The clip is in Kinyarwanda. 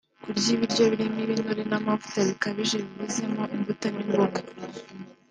kurya ibiryo birimo ibinure n’amavuta bikabije bibuzemo imbuto n’imboga